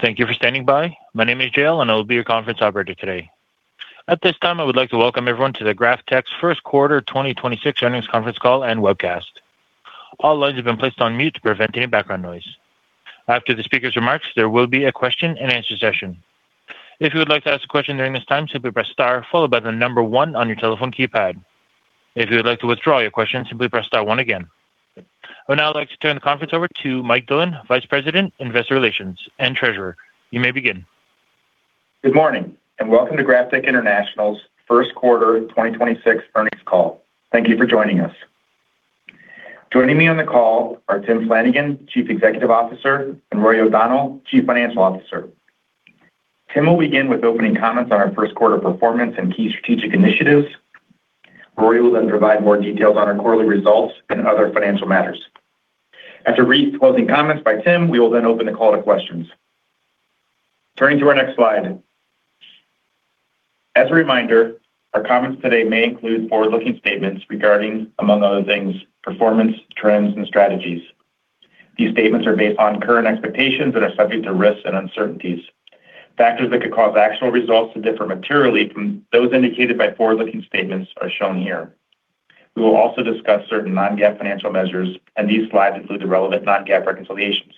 Thank you for standing by. My name is Jill and I will be your conference operator today. At this time, I would like to welcome everyone to the GrafTech's First Quarter 2026 Earnings Conference Call and Webcast. All lines have been placed on mute to prevent any background noise. After the speaker's remarks, there will be a question and answer session. If you would like to ask a question during this time, simply press star followed by one on your telephone keypad. If you would like to withdraw your question, simply press star one again. I would now like to turn the conference over to Mike Dillon, Vice President, Investor Relations and Treasurer. You may begin. Good morning and welcome to GrafTech International's First Quarter 2026 Earnings Call. Thank you for joining us. Joining me on the call are Timothy Flanagan, Chief Executive Officer, and Rory O'Donnell, Chief Financial Officer. Timothy will begin with opening comments on our first quarter performance and key strategic initiatives. Rory will then provide more details on our quarterly results and other financial matters. After brief closing comments by Timothy, we will then open the call to questions. Turning to our next slide. As a reminder, our comments today may include forward-looking statements regarding, among other things, performance, trends, and strategies. These statements are based on current expectations that are subject to risks and uncertainties. Factors that could cause actual results to differ materially from those indicated by forward-looking statements are shown here. We will also discuss certain non-GAAP financial measures, and these slides include the relevant non-GAAP reconciliations.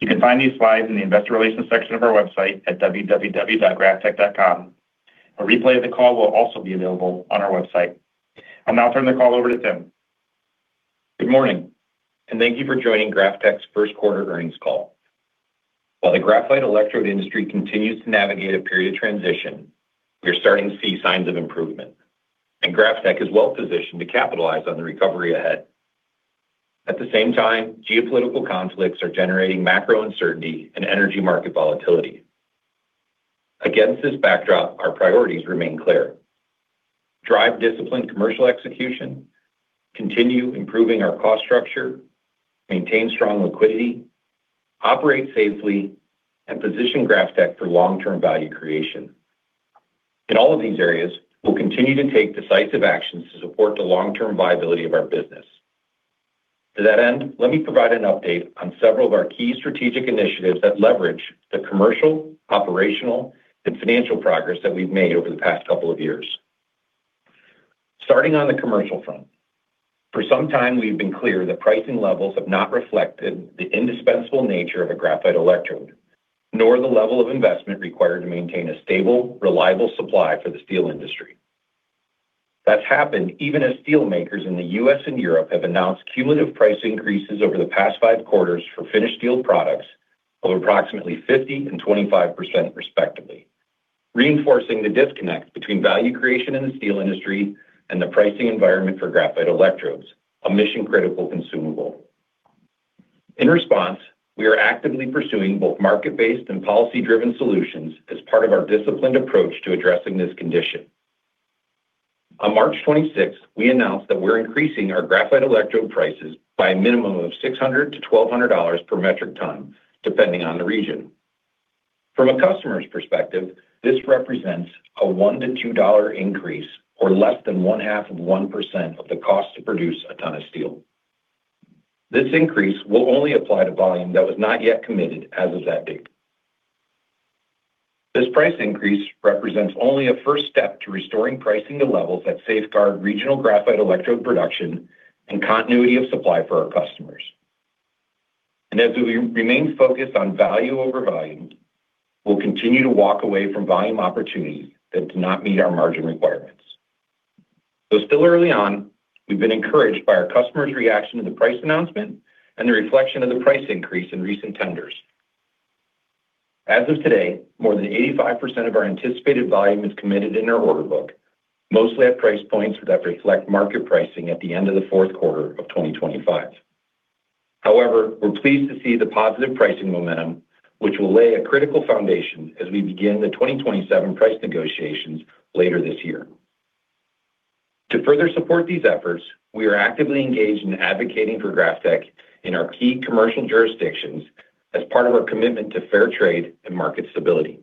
You can find these slides in the investor relations section of our website at www.graftech.com. A replay of the call will also be available on our website. I'll now turn the call over to Timothy Flanagan. Good morning, thank you for joining GrafTech's first quarter earnings call. While the graphite electrode industry continues to navigate a period of transition, we are starting to see signs of improvement, and GrafTech is well-positioned to capitalize on the recovery ahead. At the same time, geopolitical conflicts are generating macro uncertainty and energy market volatility. Against this backdrop, our priorities remain clear. Drive disciplined commercial execution, continue improving our cost structure, maintain strong liquidity, operate safely, and position GrafTech for long-term value creation. In all of these areas, we'll continue to take decisive actions to support the long-term viability of our business. To that end, let me provide an update on several of our key strategic initiatives that leverage the commercial, operational, and financial progress that we've made over the past couple of years. Starting on the commercial front. For some time, we've been clear that pricing levels have not reflected the indispensable nature of a graphite electrode, nor the level of investment required to maintain a stable, reliable supply for the steel industry. That's happened even as steel makers in the U.S. and Europe have announced cumulative price increases over the past five quarters for finished steel products of approximately 50% and 25% respectively, reinforcing the disconnect between value creation in the steel industry and the pricing environment for graphite electrodes, a mission-critical consumable. In response, we are actively pursuing both market-based and policy-driven solutions as part of our disciplined approach to addressing this condition. On March 26, we announced that we're increasing our graphite electrode prices by a minimum of $600-$1,200 per metric ton, depending on the region. From a customer's perspective, this represents a $1-$2 increase or less than one half of 1% of the cost to produce a ton of steel. This increase will only apply to volume that was not yet committed as of that date. This price increase represents only a first step to restoring pricing to levels that safeguard regional graphite electrode production and continuity of supply for our customers. As we re-remain focused on value over volume, we'll continue to walk away from volume opportunities that do not meet our margin requirements. Though still early on, we've been encouraged by our customers' reaction to the price announcement and the reflection of the price increase in recent tenders. As of today, more than 85% of our anticipated volume is committed in our order book, mostly at price points that reflect market pricing at the end of the fourth quarter of 2025. We're pleased to see the positive pricing momentum, which will lay a critical foundation as we begin the 2027 price negotiations later this year. To further support these efforts, we are actively engaged in advocating for GrafTech in our key commercial jurisdictions as part of our commitment to fair trade and market stability.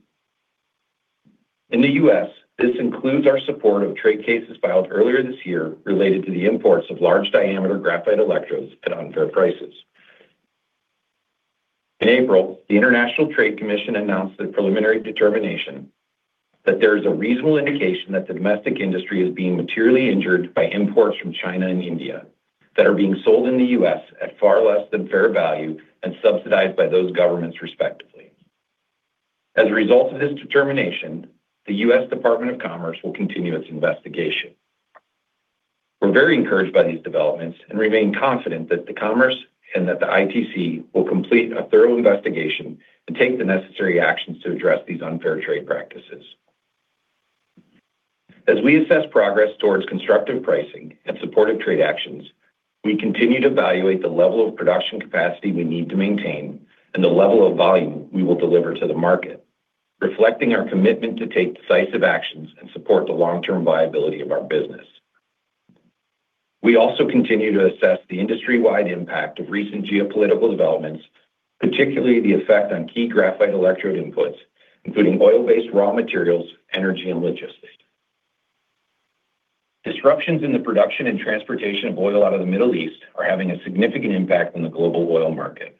In the U.S., this includes our support of trade cases filed earlier this year related to the imports of large-diameter graphite electrodes at unfair prices. In April, the United States International Trade Commission announced their preliminary determination that there is a reasonable indication that the domestic industry is being materially injured by imports from China and India that are being sold in the U.S. at far less than fair value and subsidized by those governments respectively. As a result of this determination, the United States Department of Commerce will continue its investigation. We're very encouraged by these developments and remain confident that the United States Department of Commerce and that the United States International Trade Commission will complete a thorough investigation and take the necessary actions to address these unfair trade practices. As we assess progress towards constructive pricing and supportive trade actions, we continue to evaluate the level of production capacity we need to maintain and the level of volume we will deliver to the market, reflecting our commitment to take decisive actions and support the long-term viability of our business. We also continue to assess the industry-wide impact of recent geopolitical developments, particularly the effect on key graphite electrode inputs, including oil-based raw materials, energy, and logistics. Disruptions in the production and transportation of oil out of the Middle East are having a significant impact on the global oil market.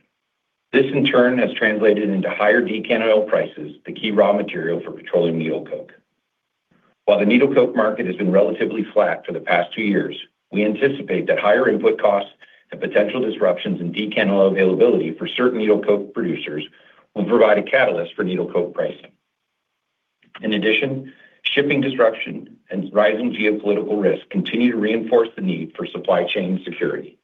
This, in turn, has translated into higher decant oil prices, the key raw material for petroleum needle coke. While the needle coke market has been relatively flat for the past two years, we anticipate that higher input costs and potential disruptions in decant oil availability for certain needle coke producers will provide a catalyst for needle coke pricing. In addition, shipping disruption and rising geopolitical risk continue to reinforce the need for supply chain security.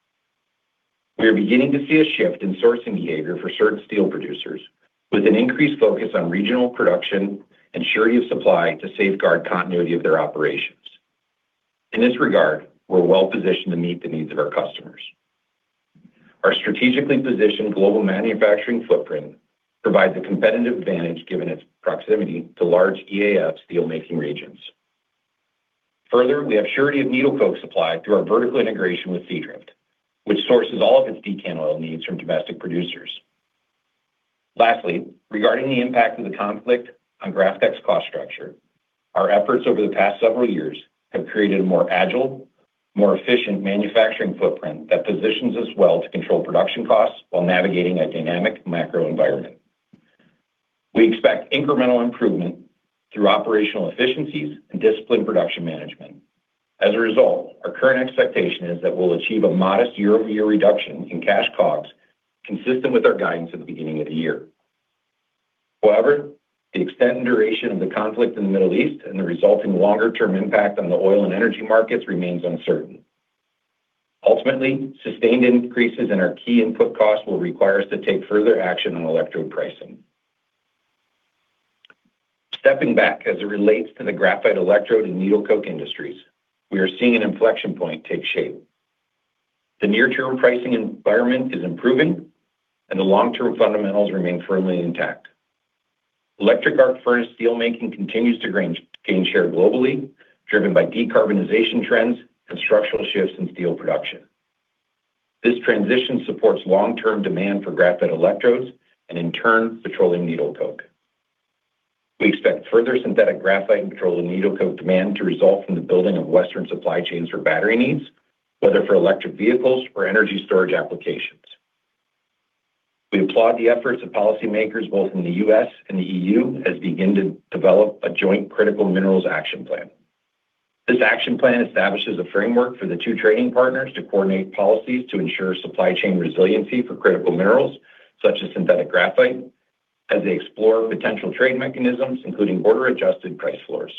We are beginning to see a shift in sourcing behavior for certain steel producers with an increased focus on regional production and surety of supply to safeguard continuity of their operations. In this regard, we're well-positioned to meet the needs of our customers. Our strategically positioned global manufacturing footprint provides a competitive advantage given its proximity to large EAF steelmaking regions. We have surety of needle coke supply through our vertical integration with Seadrift, which sources all of its decant oil needs from domestic producers. Regarding the impact of the conflict on GrafTech's cost structure, our efforts over the past several years have created a more agile, more efficient manufacturing footprint that positions us well to control production costs while navigating a dynamic macro environment. We expect incremental improvement through operational efficiencies and disciplined production management. Our current expectation is that we'll achieve a modest year-over-year reduction in cash COGS consistent with our guidance at the beginning of the year. The extent and duration of the conflict in the Middle East and the resulting longer-term impact on the oil and energy markets remains uncertain. Sustained increases in our key input costs will require us to take further action on electrode pricing. Stepping back as it relates to the graphite electrode and needle coke industries, we are seeing an inflection point take shape. The near-term pricing environment is improving and the long-term fundamentals remain firmly intact. Electric arc furnace steelmaking continues to gain share globally, driven by decarbonization trends and structural shifts in steel production. This transition supports long-term demand for graphite electrodes and in turn, petroleum needle coke. We expect further synthetic graphite and petroleum needle coke demand to result from the building of Western supply chains for battery needs, whether for electric vehicles or energy storage applications. We applaud the efforts of policymakers both in the U.S. and the EU as begin to develop a joint Critical Minerals Action Plan. This action plan establishes a framework for the two trading partners to coordinate policies to ensure supply chain resiliency for critical minerals such as synthetic graphite as they explore potential trade mechanisms, including border-adjusted price floors.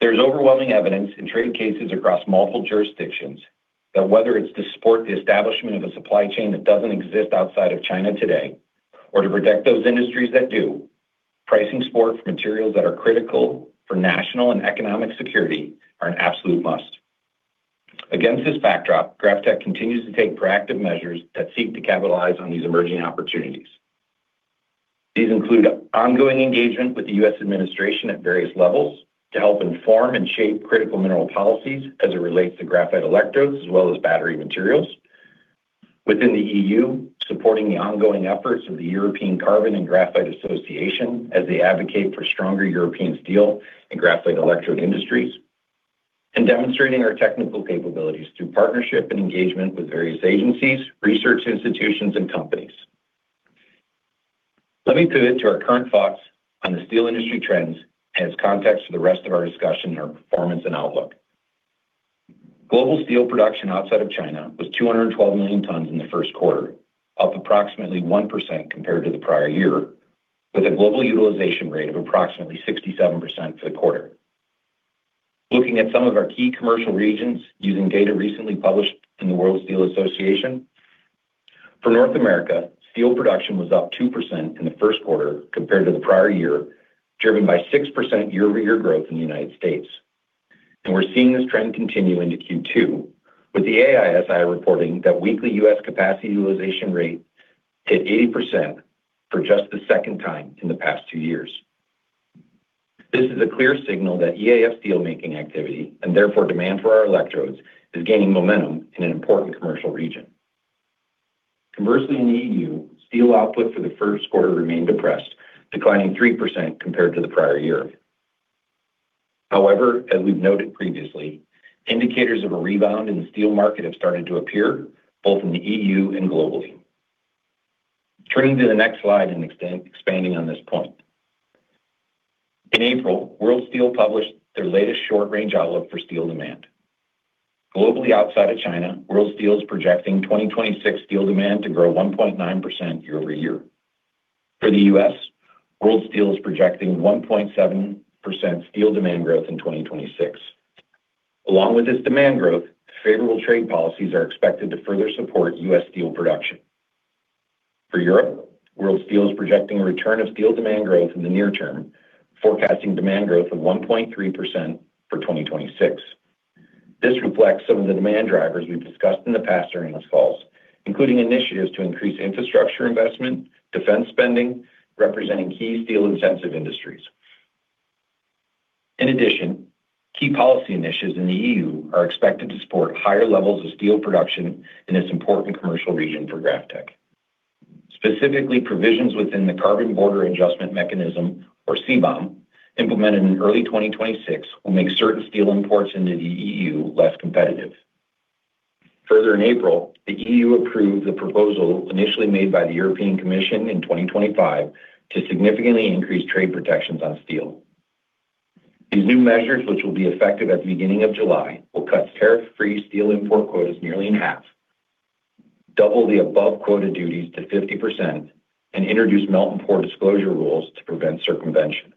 There's overwhelming evidence in trade cases across multiple jurisdictions that whether it's to support the establishment of a supply chain that doesn't exist outside of China today or to protect those industries that do, pricing support for materials that are critical for national and economic security are an absolute must. Against this backdrop, GrafTech continues to take proactive measures that seek to capitalize on these emerging opportunities. These include ongoing engagement with the U.S. administration at various levels to help inform and shape critical mineral policies as it relates to graphite electrodes as well as battery materials. Within the EU, supporting the ongoing efforts of the European Carbon and Graphite Association as they advocate for stronger European steel and graphite electrode industries, and demonstrating our technical capabilities through partnership and engagement with various agencies, research institutions, and companies. Let me pivot to our current thoughts on the steel industry trends as context for the rest of our discussion on our performance and outlook. Global steel production outside of China was 212 million tons in the first quarter, up approximately 1% compared to the prior year, with a global utilization rate of approximately 67% for the quarter. Looking at some of our key commercial regions using data recently published in the World Steel Association. For North America, steel production was up 2% in the first quarter compared to the prior year, driven by 6% year-over-year growth in the U.S. We're seeing this trend continue into Q2, with the AISI reporting that weekly U.S. capacity utilization rate hit 80% for just the second time in the past two years. This is a clear signal that EAF steelmaking activity, and therefore demand for our electrodes, is gaining momentum in an important commercial region. Conversely, in the EU, steel output for the first quarter remained depressed, declining 3% compared to the prior year. However, as we've noted previously, indicators of a rebound in the steel market have started to appear both in the EU and globally. Turning to the next slide and expanding on this point. In April, World Steel published their latest short range outlook for steel demand. Globally, outside of China, World Steel is projecting 2026 steel demand to grow 1.9% year-over-year. For the U.S., World Steel is projecting 1.7% steel demand growth in 2026. Along with this demand growth, favorable trade policies are expected to further support U.S. steel production. For Europe, World Steel is projecting a return of steel demand growth in the near term, forecasting demand growth of 1.3% for 2026. This reflects some of the demand drivers we've discussed in the past earnings calls, including initiatives to increase infrastructure investment, defense spending, representing key steel-intensive industries. In addition, key policy initiatives in the EU are expected to support higher levels of steel production in this important commercial region for GrafTech. Specifically, provisions within the Carbon Border Adjustment Mechanism, or CBAM, implemented in early 2026, will make certain steel imports into the EU less competitive. In April, the EU approved the proposal initially made by the European Commission in 2025 to significantly increase trade protections on steel. These new measures, which will be effective at the beginning of July, will cut tariff-free steel import quotas nearly in half, double the above-quota duties to 50%, and introduce melt and pour disclosure rules to prevent circumvention.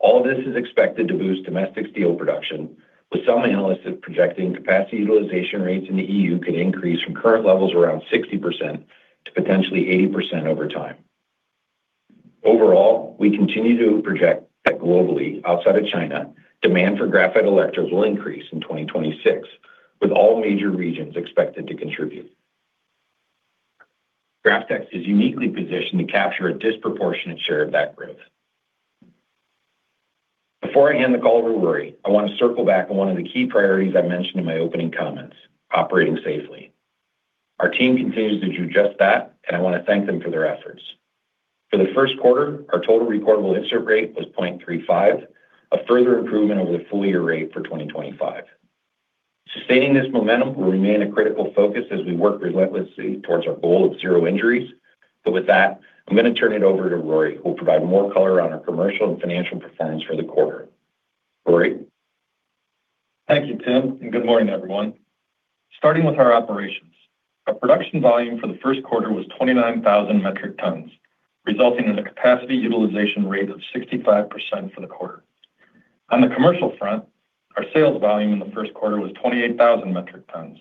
All this is expected to boost domestic steel production, with some analysts projecting capacity utilization rates in the EU could increase from current levels around 60% to potentially 80% over time. We continue to project that globally, outside of China, demand for graphite electrodes will increase in 2026, with all major regions expected to contribute. GrafTech is uniquely positioned to capture a disproportionate share of that growth. Before I hand the call over to Rory, I want to circle back on one of the key priorities I mentioned in my opening comments, operating safely. Our team continues to do just that, and I want to thank them for their efforts. For the first quarter, our total recordable incident rate was 0.35, a further improvement over the full year rate for 2025. Sustaining this momentum will remain a critical focus as we work relentlessly towards our goal of zero injuries. With that, I'm going to turn it over to Rory, who will provide more color on our commercial and financial performance for the quarter. Rory? Thank you, Tim, and good morning, everyone. Starting with our operations. Our production volume for the first quarter was 29,000 metric tons, resulting in a capacity utilization rate of 65% for the quarter. On the commercial front, our sales volume in the first quarter was 28,000 metric tons,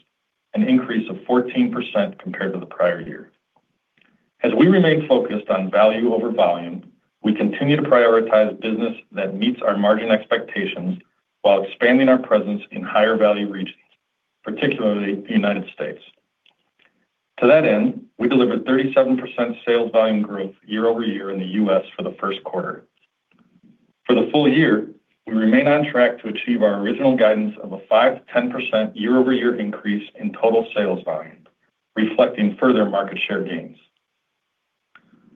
an increase of 14% compared to the prior year. As we remain focused on value over volume, we continue to prioritize business that meets our margin expectations while expanding our presence in higher-value regions, particularly the U.S. To that end, we delivered 37% sales volume growth year-over-year in the U.S. for the first quarter. For the full year, we remain on track to achieve our original guidance of a 5%-10% year-over-year increase in total sales volume, reflecting further market share gains.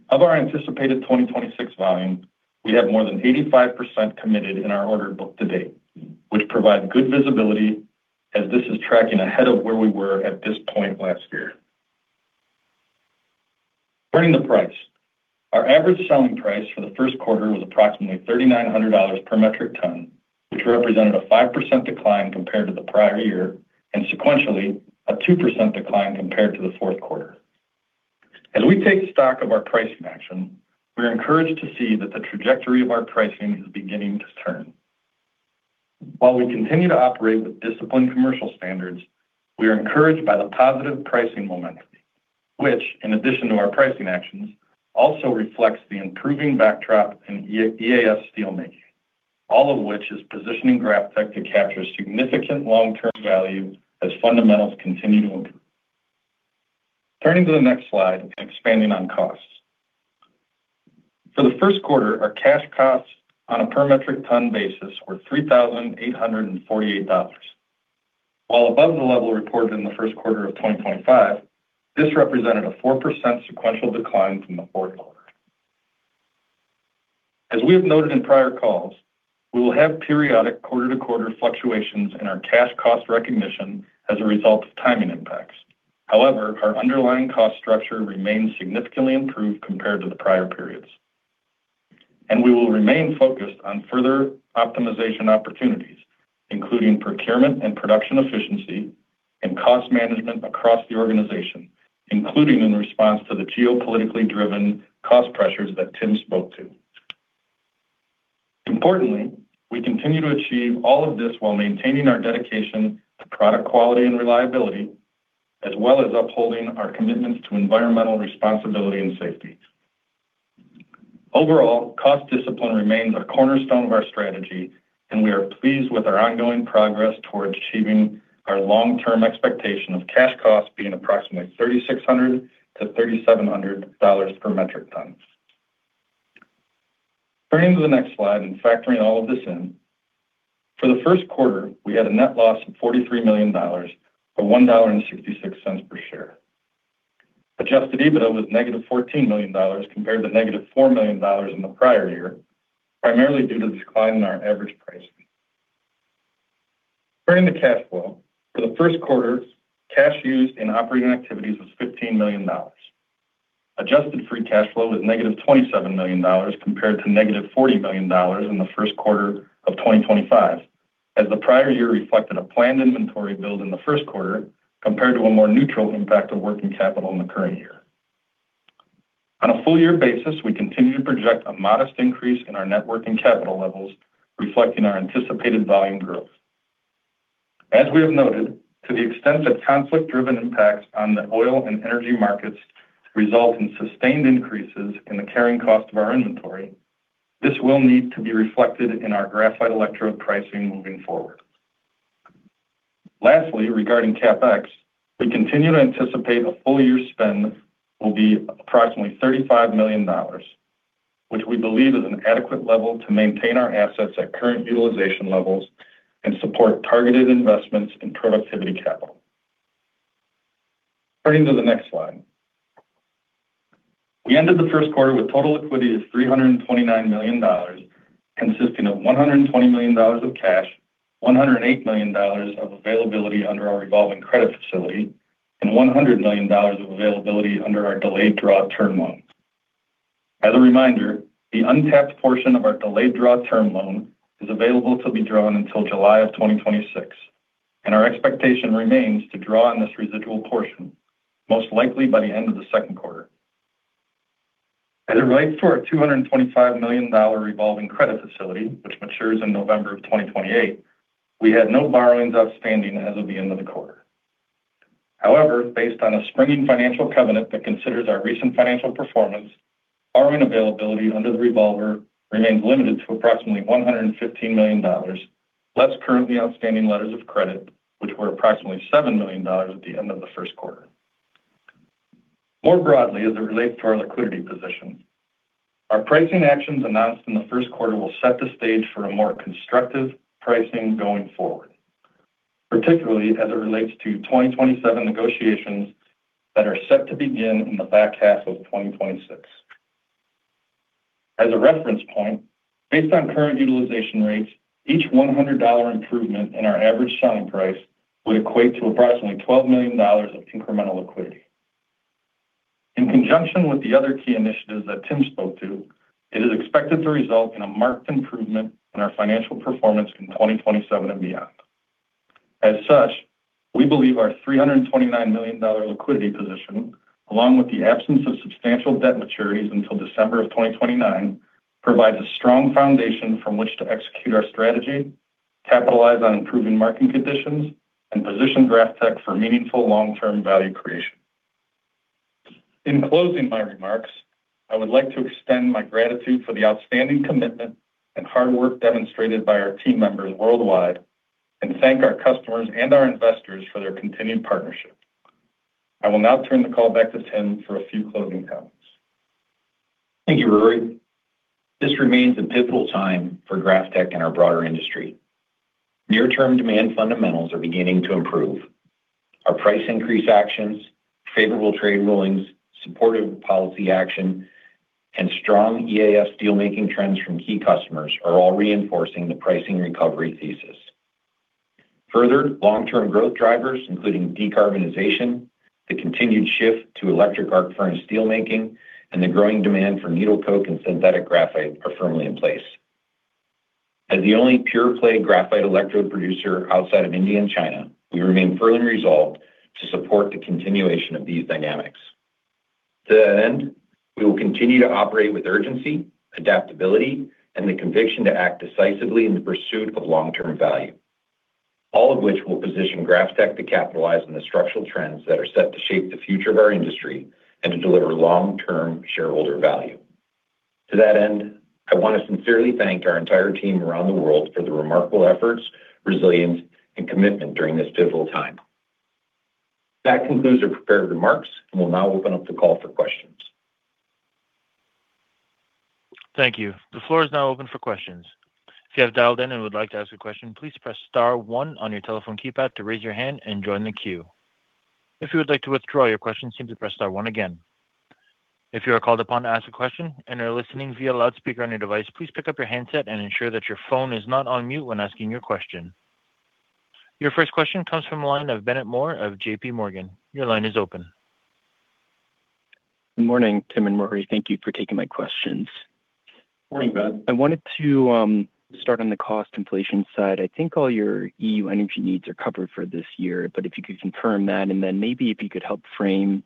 Of our anticipated 2026 volume, we have more than 85% committed in our order book to date, which provide good visibility as this is tracking ahead of where we were at this point last year. Turning to price. Our average selling price for the first quarter was approximately $3,900 per metric ton, which represented a 5% decline compared to the prior year and sequentially, a 2% decline compared to the fourth quarter. As we take stock of our pricing action, we are encouraged to see that the trajectory of our pricing is beginning to turn. While we continue to operate with disciplined commercial standards, we are encouraged by the positive pricing momentum, which, in addition to our pricing actions, also reflects the improving backdrop in EAF steel making, all of which is positioning GrafTech to capture significant long-term value as fundamentals continue to improve. Turning to the next slide and expanding on costs. For the first quarter, our cash costs on a per metric ton basis were $3,848. While above the level reported in the first quarter of 2025, this represented a 4% sequential decline from the fourth quarter. As we have noted in prior calls, we will have periodic quarter-to-quarter fluctuations in our cash cost recognition as a result of timing impacts. However, our underlying cost structure remains significantly improved compared to the prior periods. We will remain focused on further optimization opportunities, including procurement and production efficiency and cost management across the organization, including in response to the geopolitically driven cost pressures that Tim spoke to. Importantly, we continue to achieve all of this while maintaining our dedication to product quality and reliability, as well as upholding our commitments to environmental responsibility and safety. Overall, cost discipline remains a cornerstone of our strategy, and we are pleased with our ongoing progress toward achieving our long-term expectation of cash costs being approximately $3,600-$3,700 per metric ton. Turning to the next slide and factoring all of this in. For the first quarter, we had a net loss of $43 million, or $1.66 per share. Adjusted EBITDA was negative $14 million compared to negative $4 million in the prior year, primarily due to the decline in our average pricing. Turning to cash flow. For the first quarter, cash used in operating activities was $15 million. Adjusted free cash flow was negative $27 million compared to negative $40 million in the first quarter of 2025, as the prior year reflected a planned inventory build in the first quarter compared to a more neutral impact of working capital in the current year. On a full year basis, we continue to project a modest increase in our net working capital levels, reflecting our anticipated volume growth. As we have noted, to the extent that conflict-driven impacts on the oil and energy markets result in sustained increases in the carrying cost of our inventory, this will need to be reflected in our graphite electrode pricing moving forward. Lastly, regarding CapEx, we continue to anticipate the full year spend will be approximately $35 million. Which we believe is an adequate level to maintain our assets at current utilization levels and support targeted investments in productivity capital. Turning to the next slide. We ended the first quarter with total equity of $329 million, consisting of $120 million of cash, $108 million of availability under our revolving credit facility, and $100 million of availability under our delayed draw term loan. As a reminder, the untapped portion of our delayed draw term loan is available to be drawn until July of 2026, and our expectation remains to draw on this residual portion, most likely by the end of the second quarter. As it relates to our $225 million revolving credit facility, which matures in November of 2028, we had no borrowings outstanding as of the end of the quarter. However, based on a springing financial covenant that considers our recent financial performance, borrowing availability under the revolver remains limited to approximately $115 million, less currently outstanding letters of credit, which were approximately $7 million at the end of the first quarter. More broadly, as it relates to our liquidity position, our pricing actions announced in the first quarter will set the stage for a more constructive pricing going forward, particularly as it relates to 2027 negotiations that are set to begin in the back half of 2026. As a reference point, based on current utilization rates, each $100 improvement in our average selling price would equate to approximately $12 million of incremental liquidity. In conjunction with the other key initiatives that Tim spoke to, it is expected to result in a marked improvement in our financial performance in 2027 and beyond. We believe our $329 million liquidity position, along with the absence of substantial debt maturities until December of 2029, provides a strong foundation from which to execute our strategy, capitalize on improving market conditions, and position GrafTech for meaningful long-term value creation. In closing my remarks, I would like to extend my gratitude for the outstanding commitment and hard work demonstrated by our team members worldwide and thank our customers and our investors for their continued partnership. I will now turn the call back to Tim for a few closing comments. Thank you, Rory. This remains a pivotal time for GrafTech and our broader industry. Near-term demand fundamentals are beginning to improve. Our price increase actions, favorable trade rulings, supportive policy action, and strong EAF steelmaking trends from key customers are all reinforcing the pricing recovery thesis. Long-term growth drivers, including decarbonization, the continued shift to electric arc furnace steelmaking, and the growing demand for needle coke and synthetic graphite are firmly in place. As the only pure-play graphite electrode producer outside of India and China, we remain firmly resolved to support the continuation of these dynamics. To that end, we will continue to operate with urgency, adaptability, and the conviction to act decisively in the pursuit of long-term value. All of which will position GrafTech to capitalize on the structural trends that are set to shape the future of our industry and to deliver long-term shareholder value. To that end, I want to sincerely thank our entire team around the world for the remarkable efforts, resilience, and commitment during this pivotal time. That concludes our prepared remarks, and we'll now open up the call for questions. Thank you. The floor is now open for questions. If you have dialed in and would like to ask a question, please press star one on your telephone keypad to raise your hand and join the queue. If you would like to withdraw your question, simply press star one again. If you are called upon to ask a question and are listening via loudspeaker on your device, please pick up your handset and ensure that your phone is not on mute when asking your question. Your first question comes from the line of Bennett Moore of JPMorgan. Your line is open. Good morning, Tim and Rory. Thank you for taking my questions. Morning, Bennett. I wanted to start on the cost inflation side. I think all your EU energy needs are covered for this year, but if you could confirm that, and then maybe if you could help frame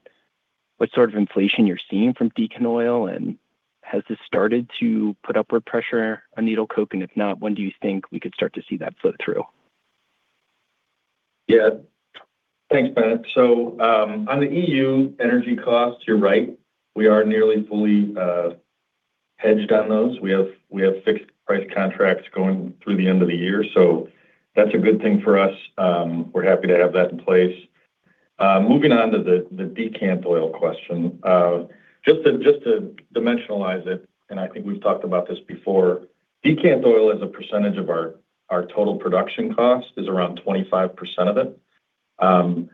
what sort of inflation you're seeing from decant oil, and has this started to put upward pressure on needle coke? If not, when do you think we could start to see that flow through? Yeah. Thanks, Bennett. On the EU energy costs, you're right. We have fixed price contracts going through the end of the year. That's a good thing for us. We're happy to have that in place. Moving on to the decant oil question. Just to dimensionalize it, and I think we've talked about this before, decant oil as a percentage of our total production cost is around 25% of it.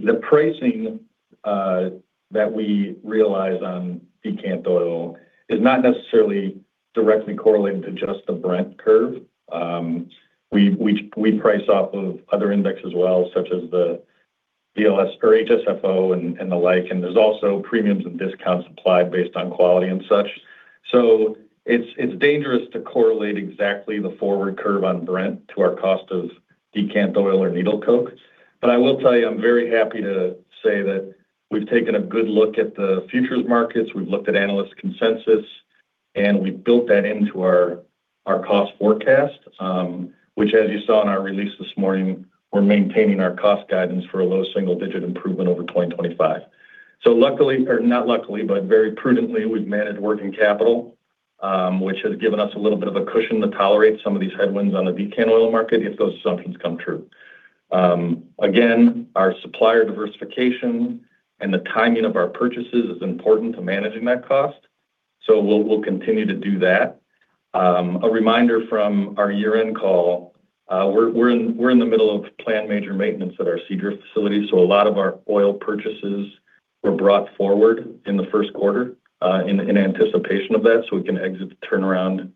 The pricing that we realize on decant oil is not necessarily directly correlated to just the Brent curve. We price off of other index as well, such as the DLS or HSFO and the like. There's also premiums and discounts applied based on quality and such. It's dangerous to correlate exactly the forward curve on Brent to our cost of decant oil or needle coke. I will tell you, I'm very happy to say that we've taken a good look at the futures markets. We've looked at analyst consensus, and we've built that into our cost forecast, which as you saw in our release this morning, we're maintaining our cost guidance for a low single-digit improvement over 2025. Luckily or not luckily, but very prudently, we've managed working capital. Which has given us a little bit of a cushion to tolerate some of these headwinds on the decant oil market if those assumptions come true. Again, our supplier diversification and the timing of our purchases is important to managing that cost, we'll continue to do that. A reminder from our year-end call, we're in the middle of planned major maintenance at our Seadrift facility, a lot of our oil purchases were brought forward in the first quarter in anticipation of that, we can exit the turnaround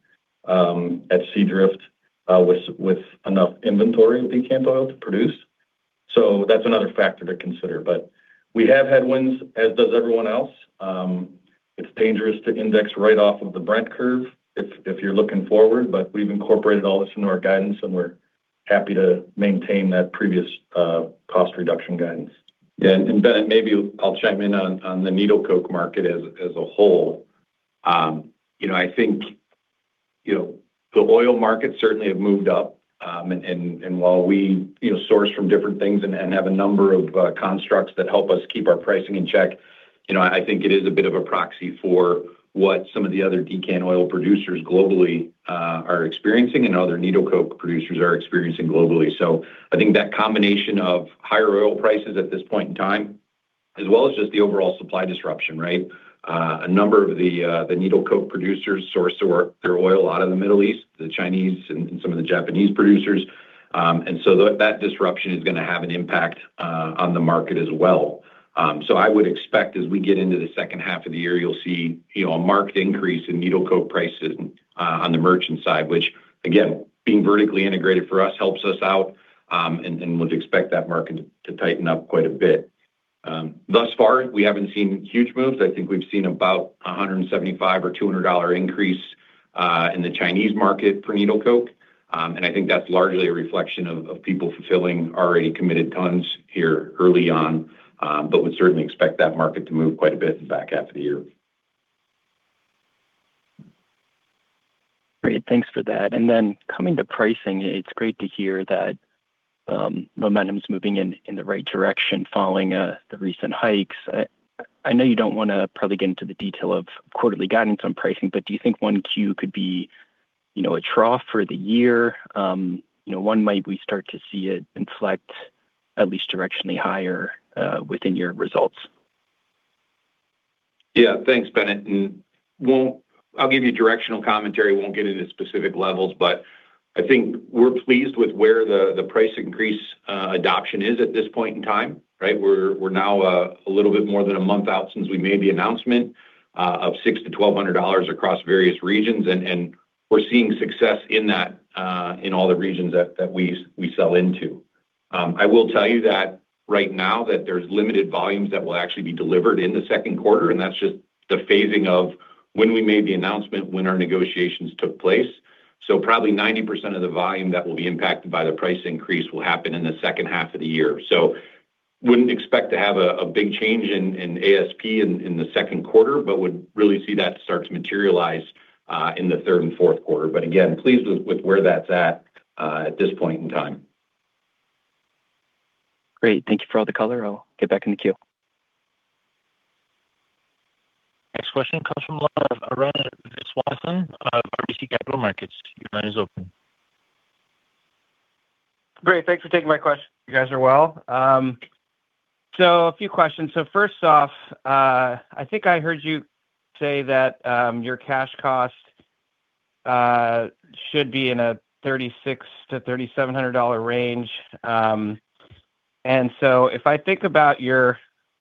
at Seadrift with enough inventory of decant oil to produce. That's another factor to consider. We have headwinds, as does everyone else. It's dangerous to index right off of the Brent curve if you're looking forward, but we've incorporated all this into our guidance, and we're happy to maintain that previous cost reduction guidance. Maybe I'll chime in on the needle coke market as a whole. You know, I think, you know, the oil markets certainly have moved up, and while we, you know, source from different things and have a number of constructs that help us keep our pricing in check, you know, I think it is a bit of a proxy for what some of the other decant oil producers globally are experiencing and other needle coke producers are experiencing globally. I think that combination of higher oil prices at this point in time, as well as just the overall supply disruption, right? A number of the needle coke producers source their oil out of the Middle East, the Chinese and some of the Japanese producers. That disruption is gonna have an impact on the market as well. I would expect as we get into the second half of the year, you'll see, you know, a marked increase in needle coke prices on the merchant side, which again, being vertically integrated for us helps us out. And would expect that market to tighten up quite a bit. Thus far, we haven't seen huge moves. I think we've seen about a $175 or $200 increase in the Chinese market for needle coke. I think that's largely a reflection of people fulfilling already committed tons here early on. Would certainly expect that market to move quite a bit in the back half of the year. Great. Thanks for that. Coming to pricing, it's great to hear that momentum's moving in the right direction following the recent hikes. I know you don't wanna probably get into the detail of quarterly guidance on pricing, do you think 1Q could be, you know, a trough for the year? You know, when might we start to see it inflect at least directionally higher within your results? Yeah. Thanks, Bennett. I'll give you directional commentary, won't get into specific levels, but I think we're pleased with where the price increase adoption is at this point in time, right? We're now one month out since we made the announcement of $600-$1,200 across various regions. We're seeing success in that in all the regions that we sell into. I will tell you that right now that there's limited volumes that will actually be delivered in the second quarter, and that's just the phasing of when we made the announcement, when our negotiations took place. Probably 90% of the volume that will be impacted by the price increase will happen in the second half of the year. Wouldn't expect to have a big change in ASP in the second quarter, but would really see that start to materialize in the third and fourth quarter. Again, pleased with where that's at this point in time. Great. Thank you for all the color. I'll get back in the queue. Next question comes from Arun Viswanathan of RBC Capital Markets. Your line is open. Great. Thanks for taking my question. You guys are well. A few questions. I think I heard you say that your cash cost should be in a $3,600-$3,700 range. If I think about your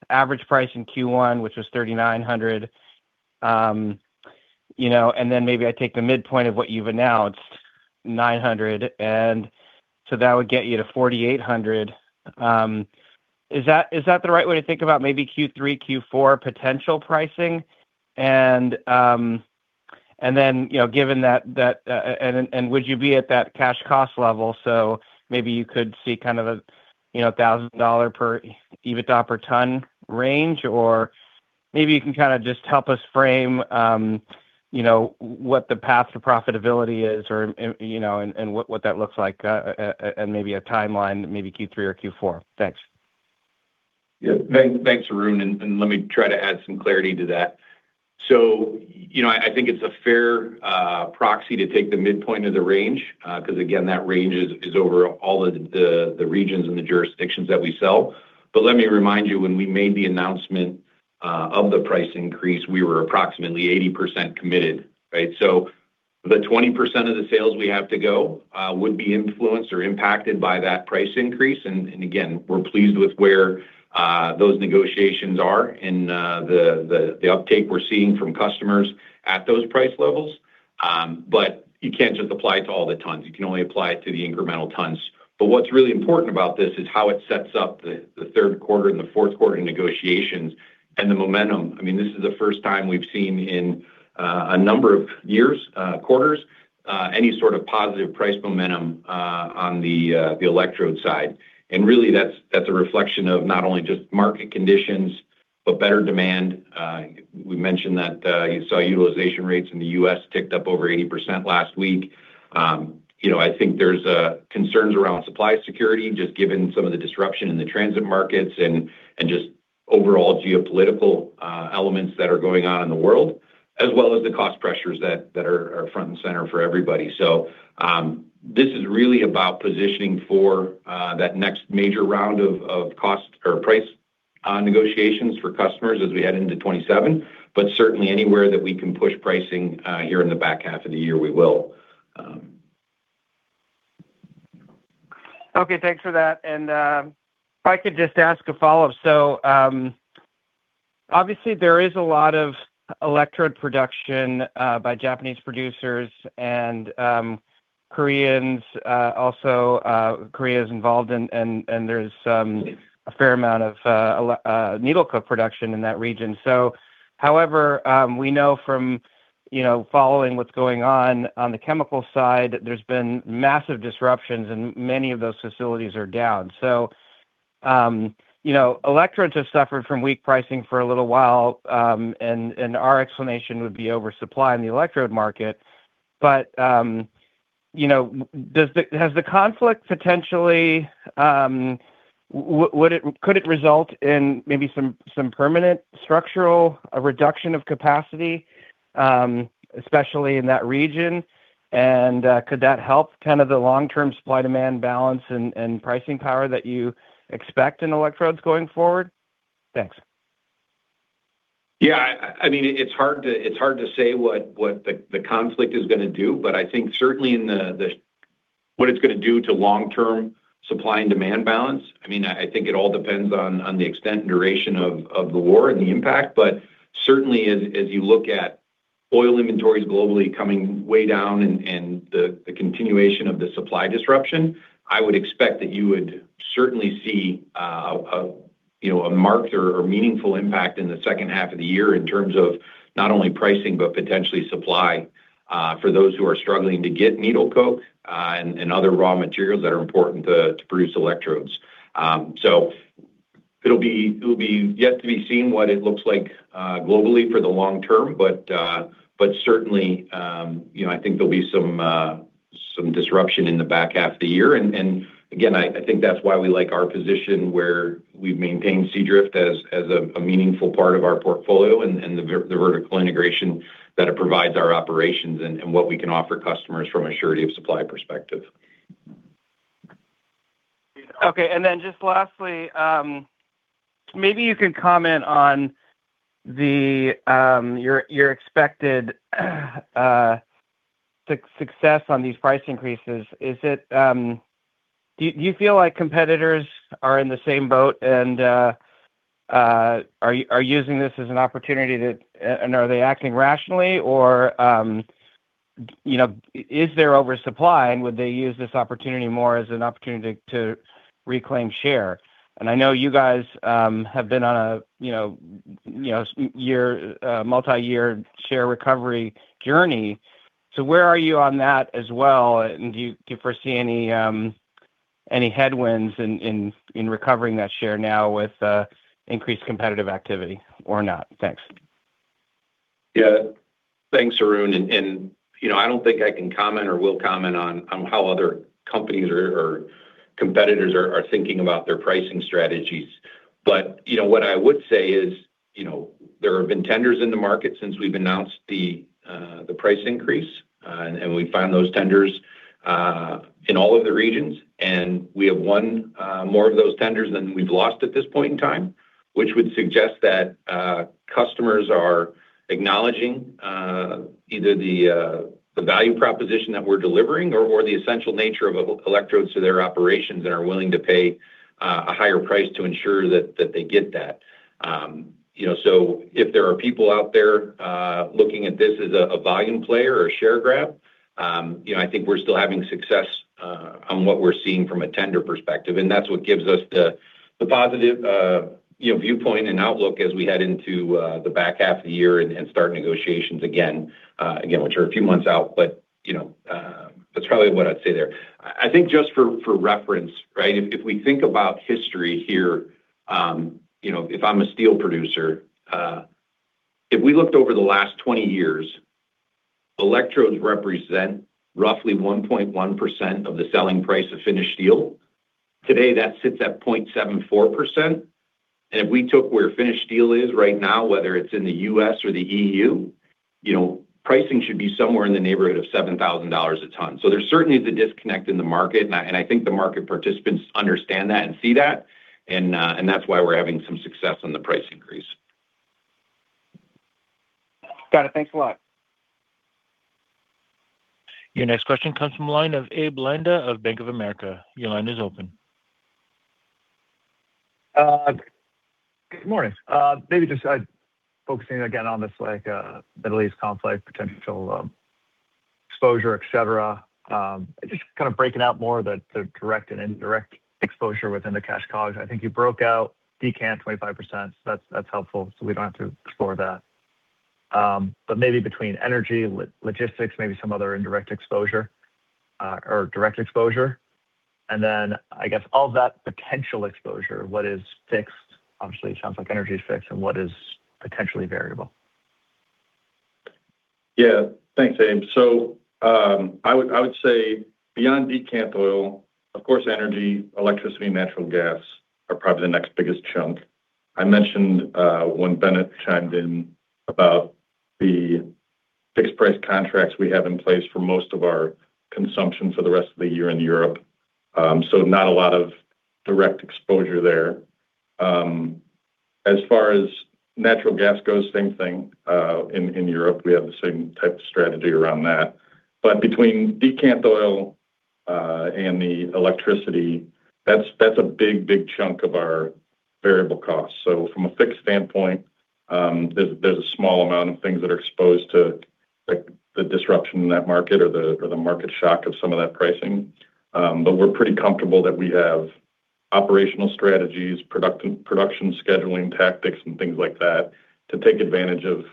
average price in Q1, which was $3,900, you know, maybe I take the midpoint of what you've announced, $900, that would get you to $4,800. Is that the right way to think about maybe Q3, Q4 potential pricing? You know, given that, and would you be at that cash cost level? Maybe you could see kind of a, you know, a $1,000 per EBITDA per ton range, or maybe you can kinda just help us frame, you know, what the path to profitability is or, you know, and what that looks like, and maybe a timeline, maybe Q3 or Q4. Thanks. Thanks, Arun. Let me try to add some clarity to that. You know, I think it's a fair proxy to take the midpoint of the range, 'cause again, that range is over all of the regions and the jurisdictions that we sell. Let me remind you, when we made the announcement of the price increase, we were approximately 80% committed, right? The 20% of the sales we have to go would be influenced or impacted by that price increase. Again, we're pleased with where those negotiations are and the uptake we're seeing from customers at those price levels. You can't just apply it to all the tons. You can only apply it to the incremental tons. What's really important about this is how it sets up the third quarter and the fourth quarter negotiations and the momentum. I mean, this is the first time we've seen in a number of years, quarters, any sort of positive price momentum on the electrode side. Really, that's a reflection of not only just market conditions, but better demand. We mentioned that you saw utilization rates in the U.S. ticked up over 80% last week. You know, I think there's concerns around supply security, just given some of the disruption in the transit markets and just overall geopolitical elements that are going on in the world, as well as the cost pressures that are front and center for everybody. This is really about positioning for that next major round of cost or price negotiations for customers as we head into 2027. Certainly anywhere that we can push pricing here in the back half of the year, we will. Okay, thanks for that. If I could just ask a follow-up. Obviously there is a lot of electrode production by Japanese producers and Koreans. Also, Korea is involved and there's a fair amount of electrode, needle coke production in that region. However, we know from, you know, following what's going on the chemical side, there's been massive disruptions and many of those facilities are down. Electrodes have suffered from weak pricing for a little while, and our explanation would be oversupply in the electrode market. Has the conflict potentially, could it result in maybe some permanent structural, a reduction of capacity especially in that region? Could that help kind of the long-term supply demand balance and pricing power that you expect in electrodes going forward? Thanks. Yeah. I mean, it's hard to say what the conflict is gonna do, but I think certainly what it's gonna do to long-term supply and demand balance. I mean, I think it all depends on the extent and duration of the war and the impact. Certainly as you look at oil inventories globally coming way down and the continuation of the supply disruption, I would expect that you would certainly see, you know, a marked or meaningful impact in the second half of the year in terms of not only pricing, but potentially supply for those who are struggling to get needle coke and other raw materials that are important to produce electrodes. It'll be yet to be seen what it looks like globally for the long term. Certainly, you know, I think there'll be some disruption in the back half of the year. Again, I think that's why we like our position where we've maintained Seadrift as a meaningful part of our portfolio and the vertical integration that it provides our operations and what we can offer customers from a surety of supply perspective. Okay. Then just lastly, maybe you can comment on your expected success on these price increases. Is it? Do you feel like competitors are in the same boat and are using this as an opportunity to. Are they acting rationally or, you know, is there oversupply and would they use this opportunity more as an opportunity to reclaim share? I know you guys have been on a, you know, year, multi-year share recovery journey. Where are you on that as well, and do you foresee any headwinds in recovering that share now with increased competitive activity or not? Thanks. Yeah. Thanks, Arun. You know, I don't think I can comment or will comment on how other companies or competitors are thinking about their pricing strategies. You know, what I would say is, you know, there have been tenders in the market since we've announced the price increase. And we find those tenders in all of the regions and we have won more of those tenders than we've lost at this point in time, which would suggest that customers are acknowledging either the value proposition that we're delivering or the essential nature of electrodes to their operations and are willing to pay a higher price to ensure that they get that. You know, if there are people out there looking at this as a volume player or share grab, you know, I think we're still having success on what we're seeing from a tender perspective. That's what gives us the positive, you know, viewpoint and outlook as we head into the back half of the year and start negotiations again, which are a few months out. You know, that's probably what I'd say there. I think just for reference, right? If we think about history here, you know, if I'm a steel producer, if we looked over the last 20 years, electrodes represent roughly 1.1% of the selling price of finished steel. Today, that sits at 0.74%. If we took where finished steel is right now, whether it's in the U.S. or the EU, you know, pricing should be somewhere in the neighborhood of $7,000 a ton. There certainly is a disconnect in the market, and I think the market participants understand that and see that, and that's why we're having some success on the price increase. Got it. Thanks a lot. Your next question comes from the line of Abe Landa of Bank of America. Your line is open. Good morning. Maybe just focusing again on this Middle East conflict, potential exposure, et cetera. Just kind of breaking out more the direct and indirect exposure within the cash cost. I think you broke out decant 25%. That's helpful, we don't have to explore that. Maybe between energy, logistics, maybe some other indirect exposure, or direct exposure. I guess all that potential exposure, what is fixed? Obviously, it sounds like energy is fixed. What is potentially variable? Yeah. Thanks, Abe. I would say beyond decant oil, of course, energy, electricity, natural gas are probably the next biggest chunk. I mentioned when Bennett chimed in about the fixed price contracts we have in place for most of our consumption for the rest of the year in Europe. Not a lot of direct exposure there. As far as natural gas goes, same thing in Europe. We have the same type of strategy around that. Between decant oil and the electricity, that's a big, big chunk of our variable costs. From a fixed standpoint, there's a small amount of things that are exposed to, like, the disruption in that market or the market shock of some of that pricing. We're pretty comfortable that we have operational strategies, production scheduling tactics, and things like that to take advantage of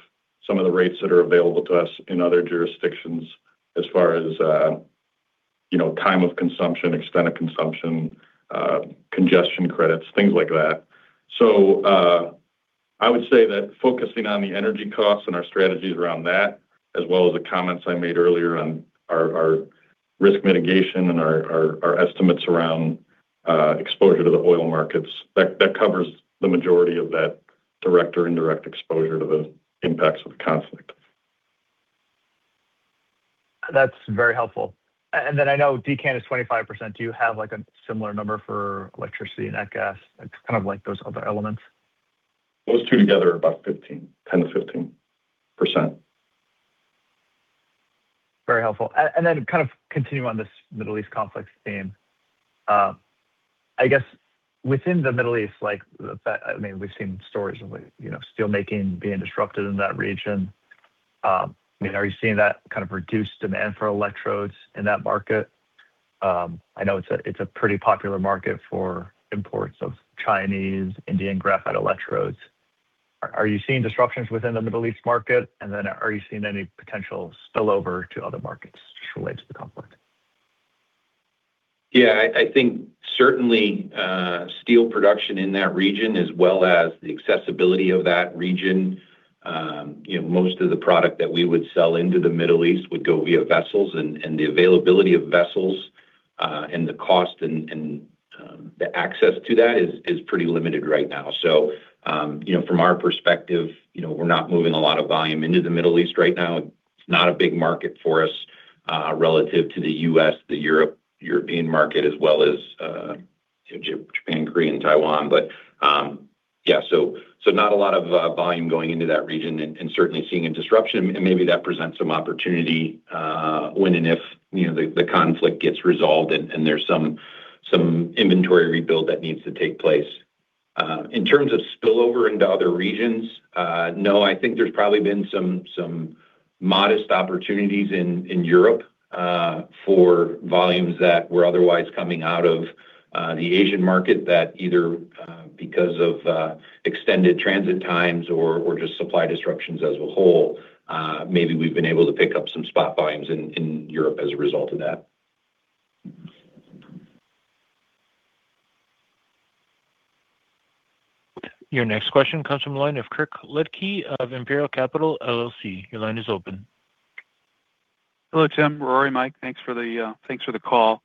some of the rates that are available to us in other jurisdictions as far as, you know, time of consumption, extent of consumption, congestion credits, things like that. I would say that focusing on the energy costs and our strategies around that, as well as the comments I made earlier on our risk mitigation and our estimates around exposure to the oil markets, that covers the majority of that direct or indirect exposure to the impacts of the conflict. That's very helpful. I know decant is 25%. Do you have, like, a similar number for electricity, nat gas? Like, kind of like those other elements. Those two together are about 15, 10%-15%. Very helpful. Kind of continuing on this Middle East conflict theme, I guess within the Middle East, like, I mean, we've seen stories of, like, you know, steelmaking being disrupted in that region. I mean, are you seeing that kind of reduced demand for electrodes in that market? I know it's a pretty popular market for imports of Chinese, Indian graphite electrodes. Are you seeing disruptions within the Middle East market? Are you seeing any potential spillover to other markets just related to the conflict? Yeah. I think certainly steel production in that region as well as the accessibility of that region, you know, most of the product that we would sell into the Middle East would go via vessels. The availability of vessels, and the cost and the access to that is pretty limited right now. You know, from our perspective, you know, we're not moving a lot of volume into the Middle East right now. It's not a big market for us, relative to the U.S., the European market, as well as Japan, Korea, and Taiwan. Yeah, not a lot of volume going into that region and certainly seeing a disruption. Maybe that presents some opportunity, when and if, you know, the conflict gets resolved and there's some inventory rebuild that needs to take place. In terms of spillover into other regions, no. I think there's probably been some modest opportunities in Europe for volumes that were otherwise coming out of the Asian market that either because of extended transit times or just supply disruptions as a whole, maybe we've been able to pick up some spot volumes in Europe as a result of that. Your next question comes from the line of Kirk Ludtke of Imperial Capital, LLC. Your line is open. Hello, Timothy, Rory, Mike. Thanks for the call.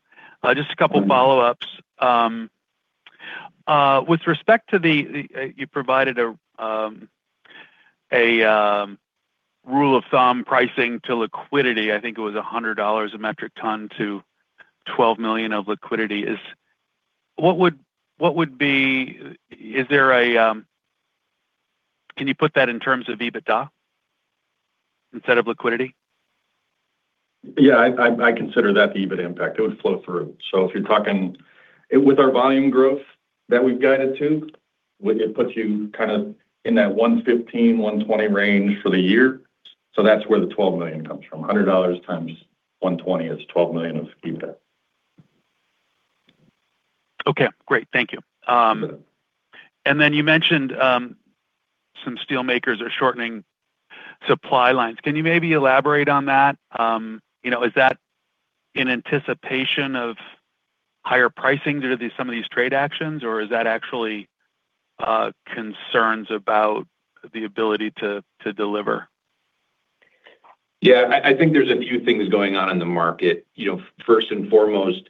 Just a couple follow-ups. With respect to the. You provided a rule of thumb pricing to liquidity. I think it was $100 a metric ton to $12 million of liquidity. What would be? Is there a? Can you put that in terms of EBITDA instead of liquidity? Yeah. I consider that the EBITDA impact. It would flow through. If you're talking, with our volume growth that we've guided to, it puts you kind of in that 115, 120 range for the year. That's where the $12 million comes from. $100 times 120 is $12 million of EBITDA. Okay, great. Thank you. You mentioned, some steel makers are shortening supply lines. Can you maybe elaborate on that? You know, is that in anticipation of higher pricing due to these, some of these trade actions, or is that actually, concerns about the ability to deliver? Yeah. I think there's a few things going on in the market. You know, first and foremost,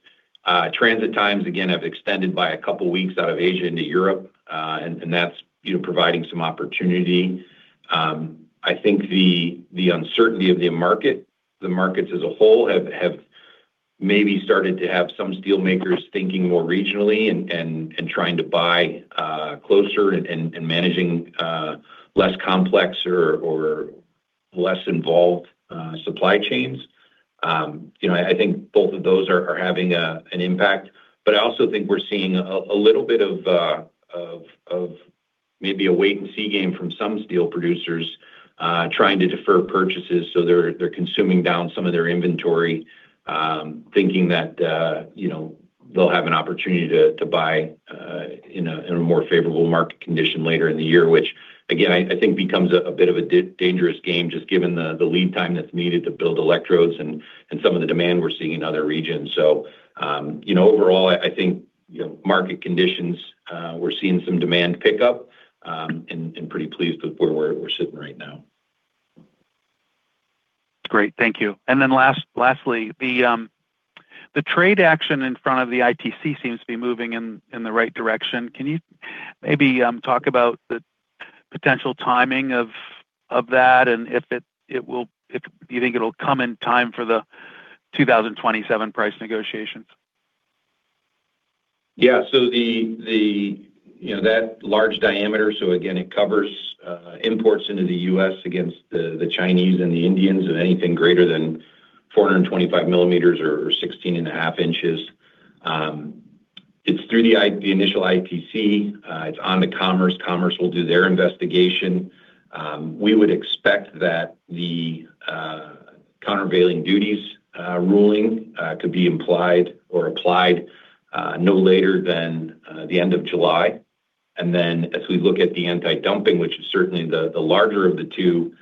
transit times, again, have extended by a couple weeks out of Asia into Europe. And that's, you know, providing some opportunity. I think the uncertainty of the market, the markets as a whole have maybe started to have some steel makers thinking more regionally and trying to buy closer and managing less complex or less involved supply chains. You know, I think both of those are having an impact. I also think we're seeing a little bit of maybe a wait and see game from some steel producers trying to defer purchases. They're consuming down some of their inventory, thinking that, you know, they'll have an opportunity to buy in a more favorable market condition later in the year, which again, I think becomes a bit of a dangerous game just given the lead time that's needed to build electrodes and some of the demand we're seeing in other regions. Overall, you know, I think, you know, market conditions, we're seeing some demand pick up, and pretty pleased with where we're sitting right now. Great. Thank you. Lastly, the trade action in front of the ITC seems to be moving in the right direction. Can you maybe talk about the potential timing of that and if you think it'll come in time for the 2027 price negotiations? You know, that large diameter, so again, it covers imports into the U.S. against the Chinese and the Indians of anything greater than 425 millimeters or 16.5 inches. It's through the initial ITC. It's on to Commerce. Commerce will do their investigation. We would expect that the countervailing duties ruling could be implied or applied no later than the end of July. As we look at the anti-dumping, which is certainly the larger of the two,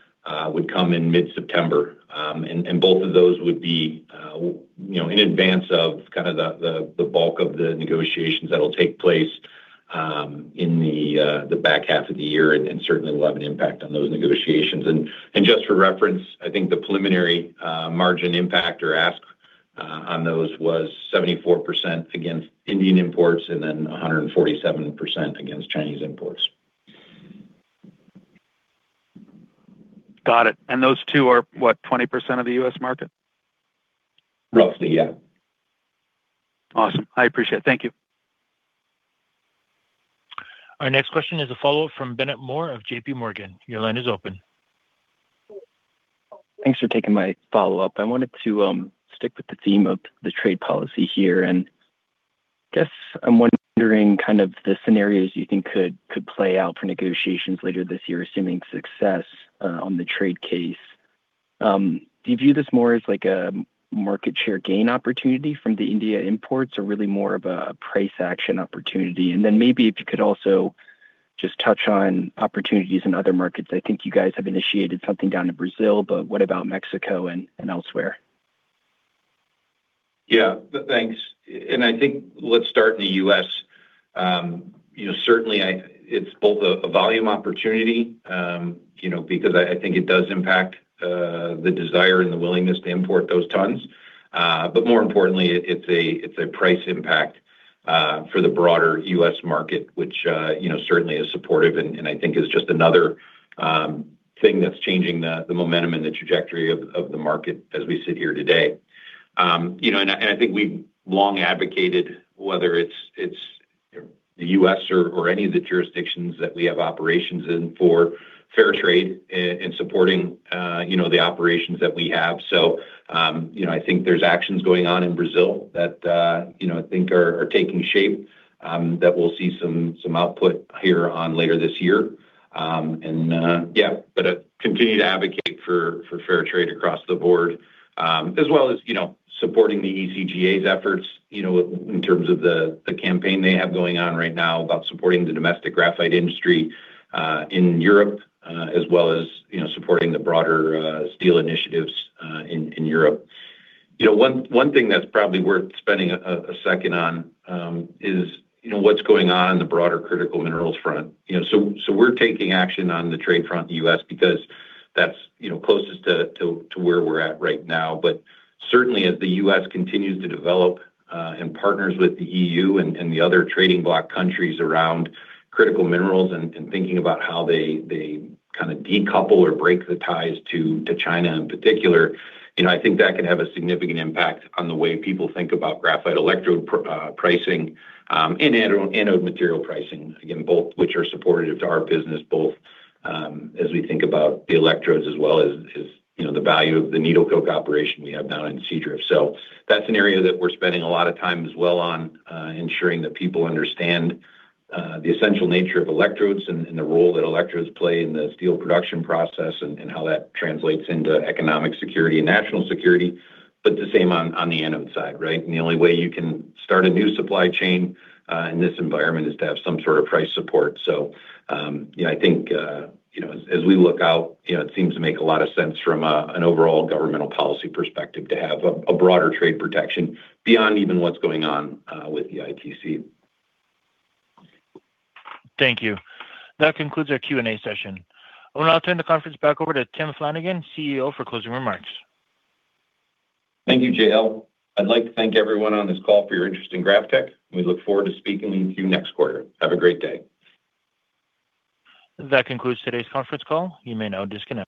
would come in mid-September. Both of those would be in advance of kind of the bulk of the negotiations that'll take place in the back half of the year and certainly will have an impact on those negotiations. Just for reference, I think the preliminary margin impact or ask on those was 74% against Indian imports and then 147% against Chinese imports. Got it. Those two are, what, 20% of the U.S. market? Roughly, yeah. Awesome. I appreciate it. Thank you. Our next question is a follow-up from Bennett Moore of JPMorgan. Thanks for taking my follow-up. I wanted to stick with the theme of the trade policy here, and guess I'm wondering kind of the scenarios you think could play out for negotiations later this year, assuming success on the trade case. Do you view this more as like a market share gain opportunity from the India imports or really more of a price action opportunity? Then maybe if you could also just touch on opportunities in other markets. I think you guys have initiated something down in Brazil, but what about Mexico and elsewhere? Yeah. Thanks. I think let's start in the U.S. You know, certainly it's both a volume opportunity, you know, because I think it does impact the desire and the willingness to import those tons. More importantly, it's a price impact for the broader U.S. market, which, you know, certainly is supportive and I think is just another thing that's changing the momentum and the trajectory of the market as we sit here today. You know, I think we've long advocated, whether it's the U.S. or any of the jurisdictions that we have operations in for fair trade and supporting, you know, the operations that we have. You know, I think there's actions going on in Brazil that, you know, I think are taking shape, that we'll see some output here on later this year. I continue to advocate for fair trade across the board, as well as, you know, supporting the ECGA's efforts, you know, in terms of the campaign they have going on right now about supporting the domestic graphite industry in Europe, as well as, you know, supporting the broader steel initiatives in Europe. You know, one thing that's probably worth spending a second on, is, you know, what's going on in the broader critical minerals front. You know, we're taking action on the trade front in the U.S. because that's, you know, closest to where we're at right now. Certainly as the U.S. continues to develop and partners with the EU and the other trading block countries around critical minerals and thinking about how they kinda decouple or break the ties to China in particular, you know, I think that could have a significant impact on the way people think about graphite electrode pricing and anode material pricing, again, both which are supportive to our business both as we think about the electrodes as well as, you know, the value of the needle coke operation we have down in Seadrift. That's an area that we're spending a lot of time as well on, ensuring that people understand the essential nature of electrodes and the role that electrodes play in the steel production process and how that translates into economic security and national security. The same on the anode side, right? The only way you can start a new supply chain in this environment is to have some sort of price support. You know, I think, you know, as we look out, you know, it seems to make a lot of sense from an overall governmental policy perspective to have a broader trade protection beyond even what's going on with the ITC. Thank you. That concludes our Q&A session. I will now turn the conference back over to Timothy Flanagan, CEO, for closing remarks. Thank you, JL. I'd like to thank everyone on this call for your interest in GrafTech, and we look forward to speaking with you next quarter. Have a great day. That concludes today's conference call. You may now disconnect.